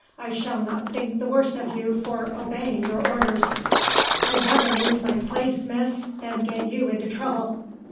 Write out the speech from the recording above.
I shall not think the worse of you for obeying your orders." "I'd rather lose my place, Miss, than get you into trouble."